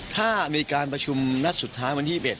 ถ้ามีการประชุมนัดสุดท้ายวันที่๑๑